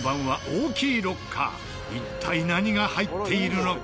一体何が入っているのか？